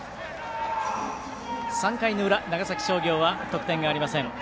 ３回の裏、長崎商業は得点がありません。